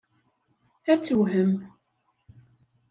Ad tewhem.